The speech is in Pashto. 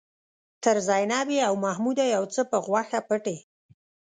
تر زينبې او محموده يو څه په غوښه پټ يې.